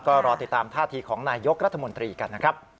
ก็รอติดตามท่าทีของนายยกรัฐมนตรีกันนะครับ